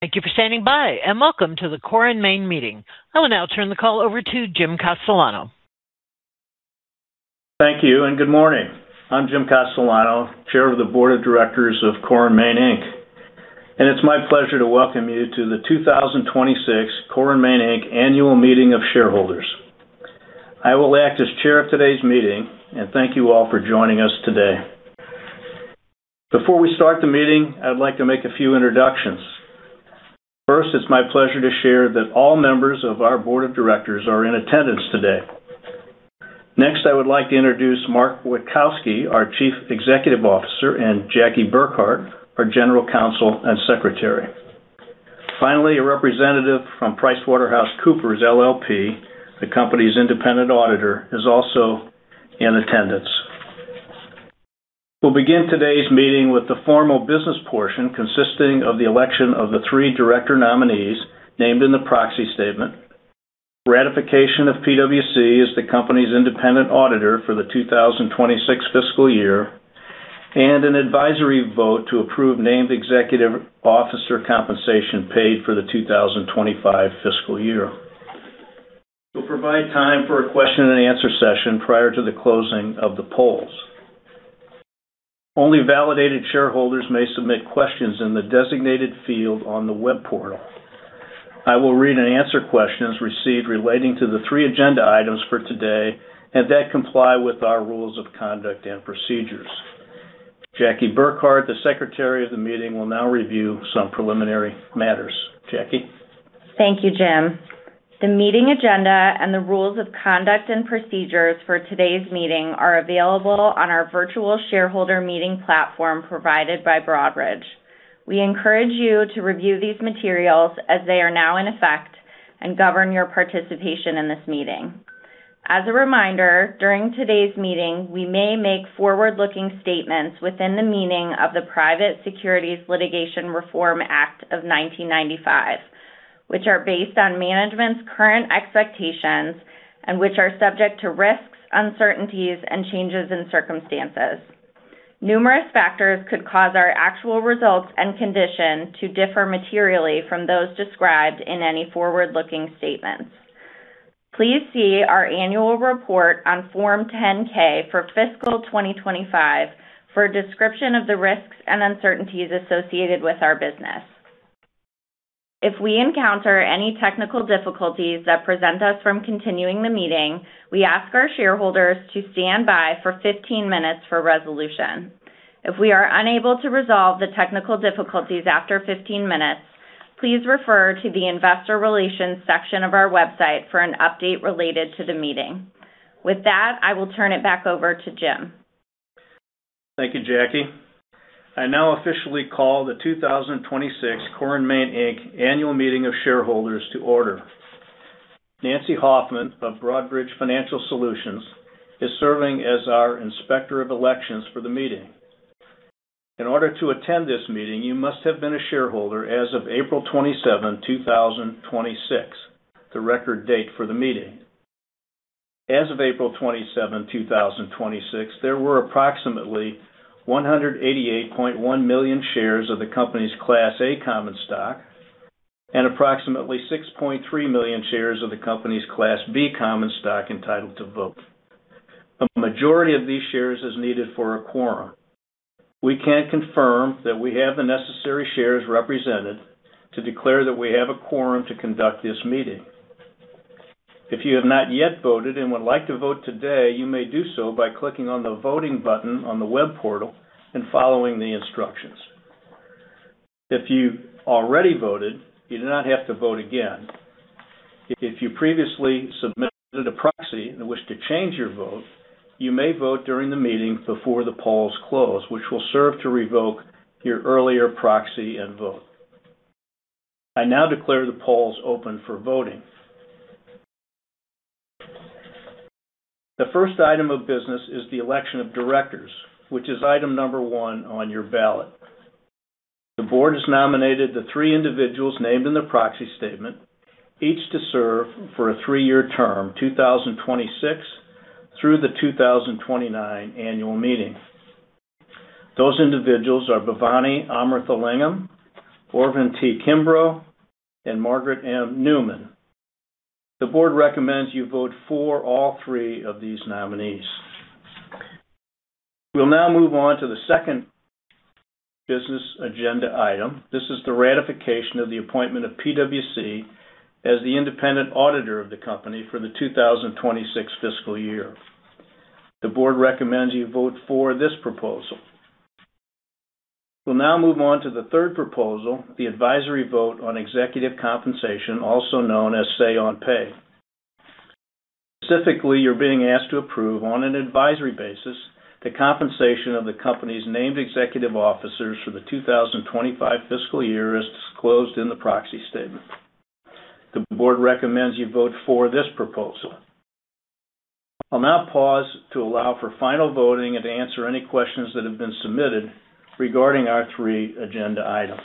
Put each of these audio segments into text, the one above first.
Thank you for standing by, and welcome to the Core & Main Meeting. I will now turn the call over to Jim Castellano. Thank you and good morning. I'm Jim Castellano, Chair of the Board of Directors of Core & Main, Inc. It's my pleasure to welcome you to the 2026 Core & Main, Inc. Annual Meeting of Shareholders. I will act as chair of today's meeting, and thank you all for joining us today. Before we start the meeting, I'd like to make a few introductions. First, it's my pleasure to share that all members of our Board of Directors are in attendance today. Next, I would like to introduce Mark Witkowski, our Chief Executive Officer, and Jackie Burkhardt, our General Counsel and Secretary. Finally, a representative from PricewaterhouseCoopers LLP, the company's independent auditor, is also in attendance. We'll begin today's meeting with the formal business portion, consisting of the election of the three director nominees named in the proxy statement, ratification of PwC as the company's independent auditor for the 2026 fiscal year, and an advisory vote to approve named executive officer compensation paid for the 2025 fiscal year. We'll provide time for a question-and-answer session prior to the closing of the polls. Only validated shareholders may submit questions in the designated field on the web portal. I will read and answer questions received relating to the three agenda items for today and that comply with our rules of conduct and procedures. Jackie Burkhardt, the secretary of the meeting, will now review some preliminary matters. Jackie? Thank you, Jim. The meeting agenda and the rules of conduct and procedures for today's meeting are available on our virtual shareholder meeting platform provided by Broadridge. We encourage you to review these materials as they are now in effect and govern your participation in this meeting. As a reminder, during today's meeting, we may make forward-looking statements within the meaning of the Private Securities Litigation Reform Act of 1995, which are based on management's current expectations and which are subject to risks, uncertainties, and changes in circumstances. Numerous factors could cause our actual results and condition to differ materially from those described in any forward-looking statements. Please see our annual report on Form 10-K for fiscal 2025 for a description of the risks and uncertainties associated with our business. If we encounter any technical difficulties that prevent us from continuing the meeting, we ask our shareholders to stand by for 15 minutes for resolution. If we are unable to resolve the technical difficulties after 15 minutes, please refer to the investor relations section of our website for an update related to the meeting. With that, I will turn it back over to Jim. Thank you, Jackie. I now officially call the 2026 Core & Main Inc. Annual Meeting of Shareholders to order. Nancy Hoffman of Broadridge Financial Solutions is serving as our Inspector of Elections for the meeting. In order to attend this meeting, you must have been a shareholder as of April 27, 2026, the record date for the meeting. As of April 27, 2026, there were approximately 188.1 million shares of the company's Class A common stock and approximately 6.3 million shares of the company's Class B common stock entitled to vote. A majority of these shares is needed for a quorum. We can confirm that we have the necessary shares represented to declare that we have a quorum to conduct this meeting. If you have not yet voted and would like to vote today, you may do so by clicking on the voting button on the web portal and following the instructions. If you already voted, you do not have to vote again. If you previously submitted a proxy and wish to change your vote, you may vote during the meeting before the polls close, which will serve to revoke your earlier proxy and vote. I now declare the polls open for voting. The first item of business is the Election of Directors, which is item number one on your ballot. The board has nominated the three individuals named in the proxy statement, each to serve for a three-year term, 2026 through the 2029 Annual Meeting. Those individuals are Bhavani Amirthalingam, Orvin T. Kimbrough, and Margaret M. Newman. The board recommends you vote for all three of these nominees. We'll now move on to the second business agenda item. This is the ratification of the appointment of PwC as the independent auditor of the company for the 2026 fiscal year. The board recommends you vote for this proposal. We'll now move on to the third proposal, the advisory vote on executive compensation, also known as say-on-pay. Specifically, you're being asked to approve on an advisory basis the compensation of the company's named executive officers for the 2025 fiscal year, as disclosed in the proxy statement. The board recommends you vote for this proposal. I'll now pause to allow for final voting and to answer any questions that have been submitted regarding our three agenda items.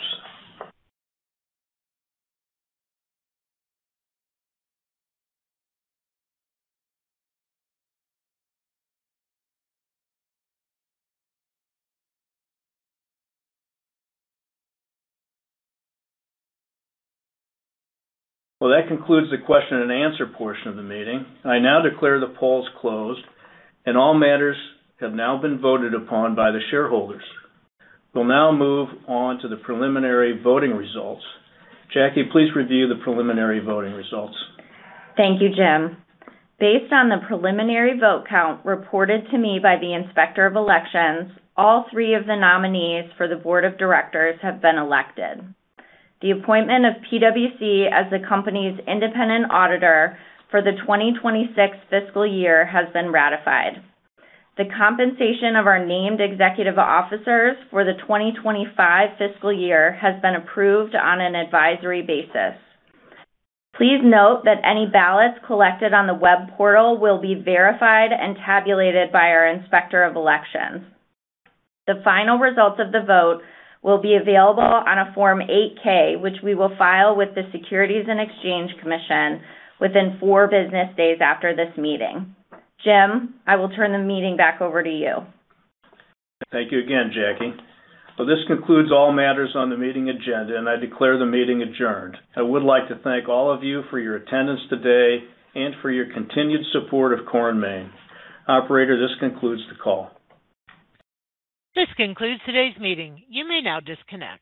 Well, that concludes the question-and-answer portion of the meeting. I now declare the polls closed, and all matters have now been voted upon by the shareholders. We'll now move on to the preliminary voting results. Jackie, please review the preliminary voting results. Thank you, Jim. Based on the preliminary vote count reported to me by the Inspector of Elections, all three of the nominees for the Board of Directors have been elected. The appointment of PwC as the company's independent auditor for the 2026 fiscal year has been ratified. The compensation of our named executive officers for the 2025 fiscal year has been approved on an advisory basis. Please note that any ballots collected on the web portal will be verified and tabulated by our Inspector of Elections. The final results of the vote will be available on a Form 8-K, which we will file with the Securities and Exchange Commission within four business days after this meeting. Jim, I will turn the meeting back over to you. Thank you again, Jackie. This concludes all matters on the meeting agenda, and I declare the meeting adjourned. I would like to thank all of you for your attendance today and for your continued support of Core & Main. Operator, this concludes the call. This concludes today's meeting. You may now disconnect.